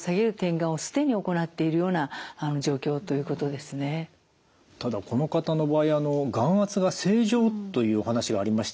でこの方はただこの方の場合眼圧が正常というお話がありましたよね。